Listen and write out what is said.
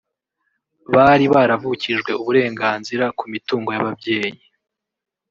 bari baravukijwe uburenganzira ku mitungo y’ababyeyi